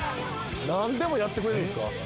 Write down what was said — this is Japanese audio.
何でもやってくれるんすか？